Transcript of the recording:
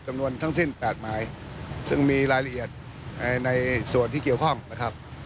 จำนวนทั้งสิ้น๘หมายซึ่งมีรายละเอียดในส่วนที่เกี่ยวข้องนะครับ